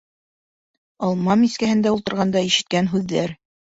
АЛМА МИСКӘҺЕНДӘ УЛТЫРҒАНДА ИШЕТКӘН ҺҮҘҘӘР